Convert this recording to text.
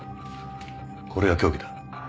これが凶器だ。